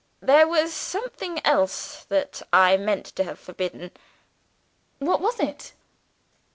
There was something else that I meant to have forbidden." "What was it?"